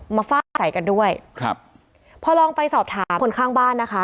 ฟาดใส่กันด้วยครับพอลองไปสอบถามคนข้างบ้านนะคะ